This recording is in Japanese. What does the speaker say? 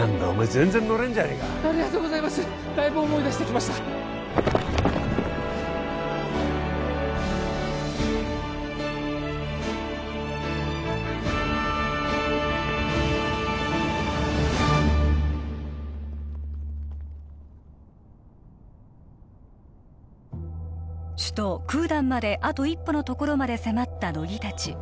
全然乗れんじゃねえかありがとうございますだいぶ思い出してきました首都クーダンまであと一歩のところまで迫った乃木たち